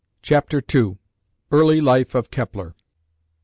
CHAPTER II. EARLY LIFE OF KEPLER.